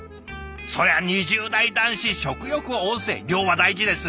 そりゃ２０代男子食欲旺盛量は大事です。